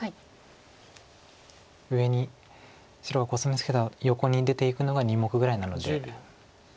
上に白がコスミツケた横に出ていくのが２目ぐらいなので。